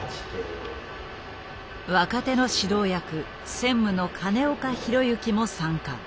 若手の指導役専務の金岡裕之も参加。